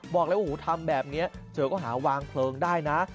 บอกเลยโอ้โหทำแบบนี้เธอก็หาวางเพลิงได้นะ